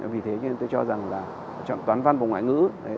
vì thế cho nên tôi cho rằng là chọn toán văn và ngoại ngữ